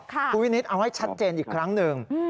คุณวินิตเอาให้ชัดเจนอีกครั้งหนึ่ง